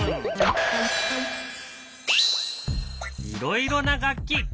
いろいろな楽器。